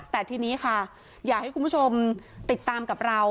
แต่ทีนี้ค่ะอยากให้คุณผู้ชมติดตามกับเรา